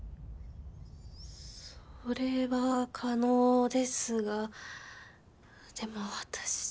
それは可能ですがでも私じゃ。